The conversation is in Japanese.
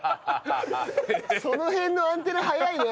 その辺のアンテナ早いね。